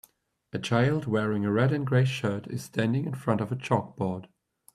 A child wearing a red and gray shirt is standing in front of a chalkboard.